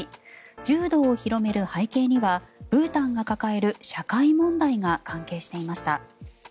柔道を広める背景にはブータンが抱える社会問題が関係していました。